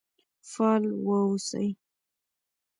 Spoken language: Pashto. فعال و اوسئ